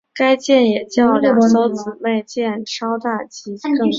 该舰也较两艘姊妹舰稍大及更快。